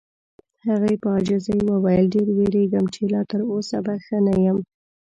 هغې په عاجزۍ وویل: ډېر وېریږم چې لا تر اوسه به ښه نه یم.